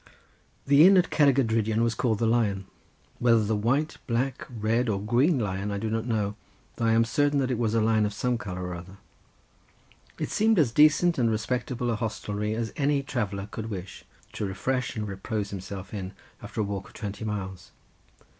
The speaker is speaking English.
The inn at Cerrig y Drudion was called the Lion—whether the white, black, red or green Lion I do not know, though I am certain that it was a lion of some colour or other. It seemed as decent and respectable a hostelry as any traveller could wish to refresh and repose himself in, after a walk of twenty miles.